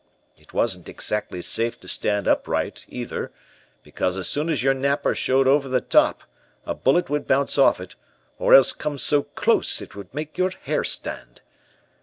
It wasn't exactly safe to stand upright either, because as soon as your napper showed over the top, a bullet would bounce off it, or else come so close it would make your hair stand.